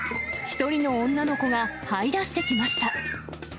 一人の女の子がはい出してきました。